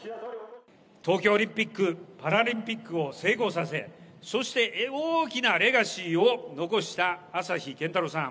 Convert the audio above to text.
東京オリンピック・パラリンピックを成功させ、そして大きなレガシーを残した朝日健太郎さん。